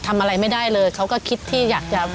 ทำอะไรไม่ได้เลยเขาก็คิดที่อยากจะ